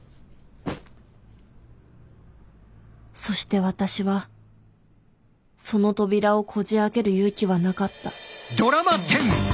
そして私はその扉をこじ開ける勇気はなかったじゃ天野。